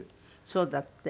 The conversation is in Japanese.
そうだって。